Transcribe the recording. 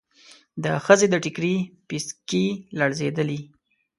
د ښځې د ټکري پيڅکې لړزېدلې.